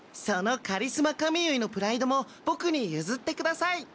そのカリスマ髪結いのプライドもボクにゆずってください。